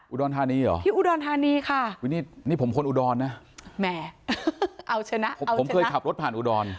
อุดรธานีเหรอที่อุดรธานีค่ะนี่นี่ผมคนอุดรนะแหมเอาชนะผมเคยขับรถผ่านอุดร